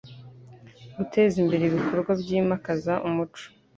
guteza imbere ibikorwa byimakaza umuco